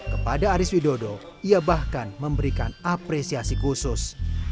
kepada aris widodo ia bahkan memberikan apresiasi khusus